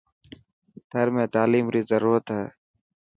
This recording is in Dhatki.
ٿر ۾ تعليم ري ضرورت هي.